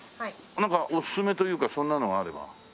なんかおすすめというかそんなのがあれば。